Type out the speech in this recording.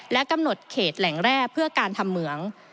และกำหนดเขตแหล่งแร่เพื่อการทำเหมือง